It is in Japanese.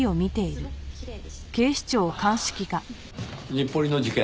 日暮里の事件